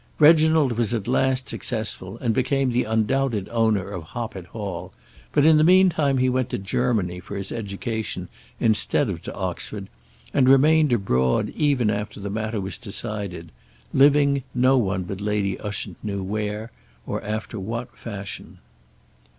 Reginald was at last successful, and became the undoubted owner of Hoppet Hall; but in the meantime he went to Germany for his education, instead of to Oxford, and remained abroad even after the matter was decided, living, no one but Lady Ushant knew where, or after what fashion.